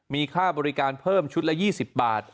มีค่าบริการเพิ่มชุดละ๒๐บาท